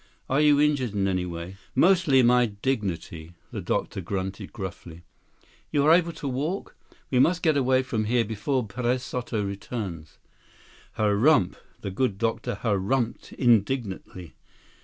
Are you injured in any way?" "Mostly my dignity," the doctor grunted gruffly. "Are you able to walk? We must get away from here before Perez Soto returns." "Hurrumph!" the good doctor hurrumphed indignantly.